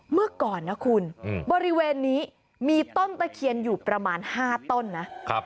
เมื่อก่อนนะคุณบริเวณนี้มีต้นตะเคียนอยู่ประมาณ๕ต้นนะ